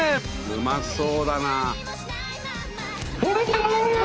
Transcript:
うまそうだな！